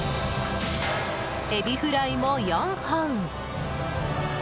エビフライも４本。